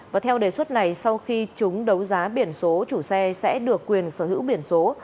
và theo đề xuất này sau khi chúng đấu giá biển số chủ xe sẽ được quyền sở hữu biển số